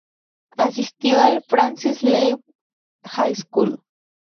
Asistió al "Francis Lewis High School".